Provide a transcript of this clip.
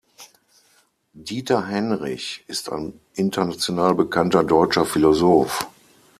Dieter Henrich ist ein international bekannter deutscher Philosoph.